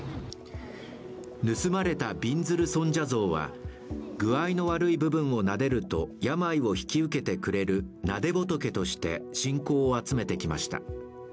盗まれたびんずる尊者像は具合の悪い部分をなでると病を引き受けてくれるなで仏として信仰を集めてきました。